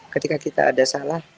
ketika kita ada salah